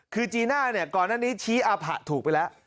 คือจีน่าเนี่ยก่อนหน้านี้ชี้อาผะถูกไปแล้ว